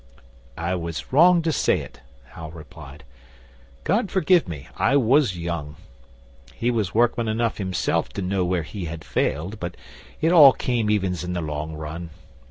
'I was wrong to say it,' Hal replied. 'God forgive me I was young! He was workman enough himself to know where he failed. But it all came evens in the long run.